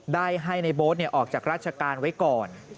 ได้ให้ในโบ๊ทออกจากราชการไว้ก่อน